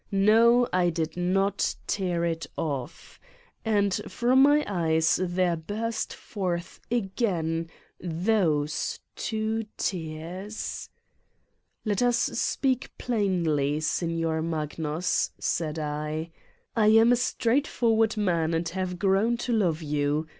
No, I did not tear it off. And from my eyes there burst forth again those two tears : "Let us speak plainly, Signor Magnus," said I. "I am a straightforward man and have grown to love you.